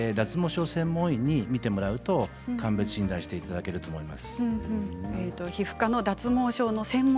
脱毛症専門医に診てもらうと診断していただけると思います。